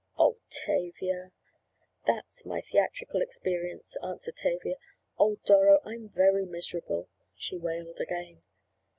"Oh, Tavia!" "That's my theatrical experience," answered Tavia. "Oh, Doro, I'm very miserable," she wailed again.